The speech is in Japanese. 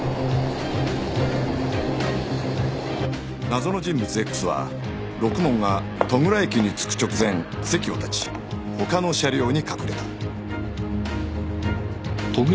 謎の人物 Ｘ はろくもんが戸倉駅に着く直前席を立ち他の車両に隠れた